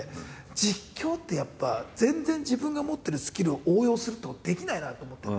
実況ってやっぱ全然自分が持ってるスキルを応用するってことできないなと思って。